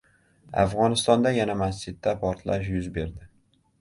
Afg‘onistonda yana masjidda portlash yuz berdi